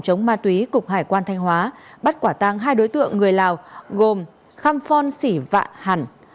chống ma túy cục hải quan thanh hóa bắt quả tăng hai đối tượng người lào gồm kham phon sỉ vạn hẳn